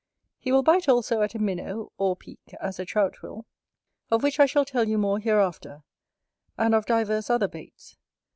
He will bite also at a minnow, or peek, as a Trout will: of which I shall tell you more hereafter, and of divers other baits.